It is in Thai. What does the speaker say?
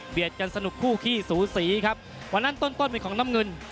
กันสนุกคู่ขี้สูสีครับวันนั้นต้นต้นเป็นของน้ำเงิน